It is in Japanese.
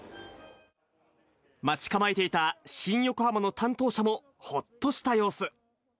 待ち構えていた新横浜の担当者も、ほっとした様子。